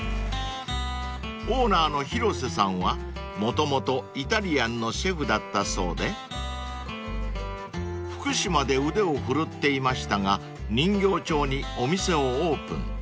［オーナーの廣瀬さんはもともとイタリアンのシェフだったそうで福島で腕を振るっていましたが人形町にお店をオープン］